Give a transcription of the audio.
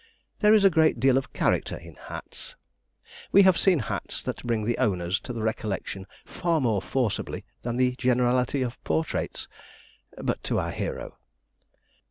There is a great deal of character in hats. We have seen hats that bring the owners to the recollection far more forcibly than the generality of portraits. But to our hero.